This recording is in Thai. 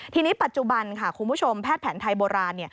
ทีนี้ปัจจุบันค่ะคุณผู้ชมแพทย์แผนไทยโบราณ